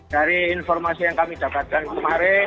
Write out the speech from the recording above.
dari informasi yang kami dapatkan kemarin